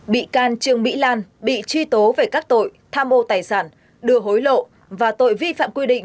bị can trương mỹ lan bị truy tố về các tội tham ô tài sản đưa hối lộ và tội vi phạm quy định